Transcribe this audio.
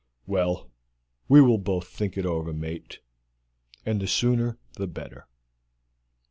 Well, we will both think it over, mate, and the sooner the better."